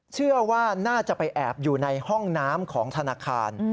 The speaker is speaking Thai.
เชื่อว่าน่าจะไปแอบอยู่ในห้องน้ำของธนาคาร